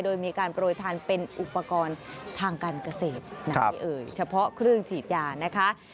โดยมีการโปรยทานเป็นอุปกรณ์ทางการเกษตรเฉพาะเครื่องฉีดยานะคะ